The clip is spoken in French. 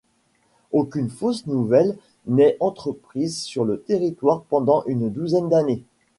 Aucune fosse nouvelle n'est entreprise sur le territoire pendant une douzaine d'années.